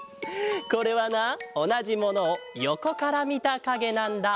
これはなおなじものをよこからみたかげなんだ。